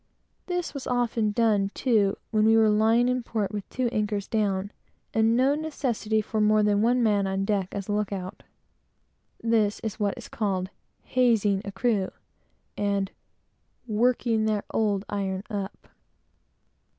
This was often done, too, when we were lying in port with two anchors down, and no necessity for more than one man on deck as a look out. This is what is called "hazing" a crew, and "working their old iron up."